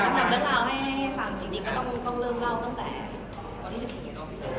คำหนักเรื่องราวให้ฟังจริงก็ต้องเริ่มเล่าตั้งแต่วันที่๑๔เนี่ยเนาะ